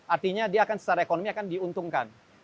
artinya dia akan secara ekonomi akan diuntungkan